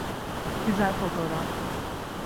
Güzel fotoğraf.